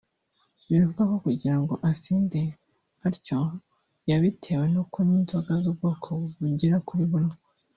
biravugwa ko kugira ngo asinde atyo yabitewe no kunywa inzoga z’ ubwoko bugera kuri bune